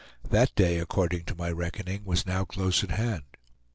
That day, according to my reckoning, was now close at hand.